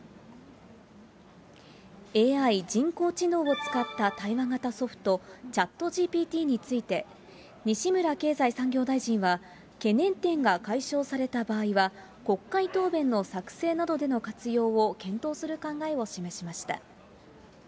ＡＩ・人工知能を使った対話型ソフト、チャットＧＰＴについて、西村経済産業大臣は、懸念点が解消された場合は、国会答弁の作成などでの活用を検討する考えを示しました。